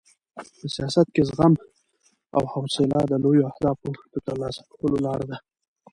په سیاست کې زغم او حوصله د لویو اهدافو د ترلاسه کولو لار ده.